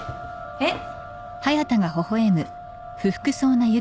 えっ！？